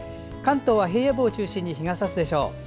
関東は平野部を中心に日がさすでしょう。